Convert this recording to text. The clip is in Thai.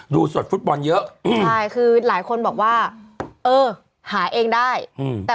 สดฟุตบอลเยอะใช่คือหลายคนบอกว่าเออหาเองได้แต่